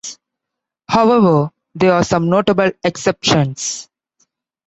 However, there are some notable exceptions.